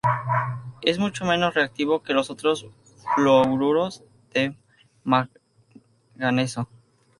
Es mucho menos reactivo que los otros fluoruros de manganeso.